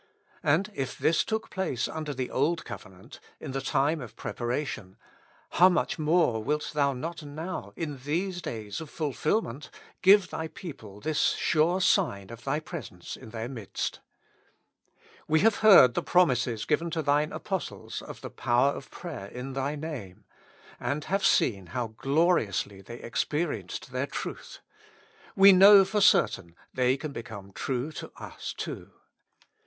And if this took place under the Old Covenant, in the time of preparation, how much more wilt Thou not now, in these days of fulfilment, give Thy people this sure sign of Thy presence in their midst. We have heard the promises given to Thine apostles of the power of praj^er in Thy name, and have seen how gloriously II With Christ in the School of Prayer. they experienced their truth ; we know for certain, they can become true to us too.